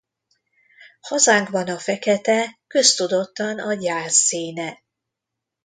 Hazánkban a fekete köztudottan a gyász színe.